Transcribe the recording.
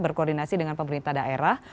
berkoordinasi dengan pemerintah daerah